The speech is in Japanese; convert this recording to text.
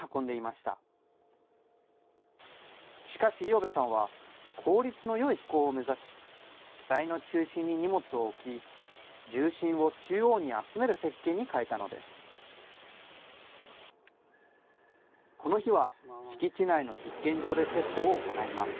しかし五百部さんは、効率のよい飛行を目指し、機体の中心に荷物を置き、重心を中央に集める設計に変えたのです。